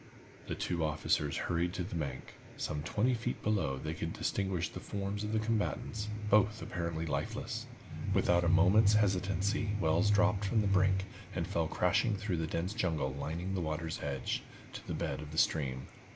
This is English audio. The two officers hurried to the bank. Some twenty feet below they could distinguish the forms of the combatants, both apparently lifeless. Without a moment's hesitancy, Wells dropped from the brink, and fell crashing through the dense jungle lining the water's edge, to the bed of the stream.